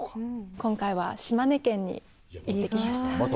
今回は島根県に行ってきました。